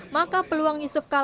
maka peluang yusuf kalon